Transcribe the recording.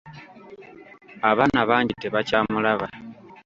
Abaana bangi tabakyamulaba.